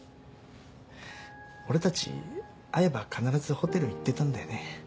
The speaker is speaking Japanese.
俺たち会えば必ずホテル行ってたんだよね。